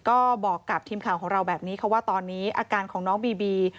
ก็บอกกับทีมข่าวของเราแบบนี้ค่ะว่าตอนนี้อาการของน้องบีบี